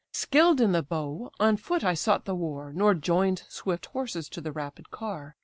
Skill'd in the bow, on foot I sought the war, Nor join'd swift horses to the rapid car.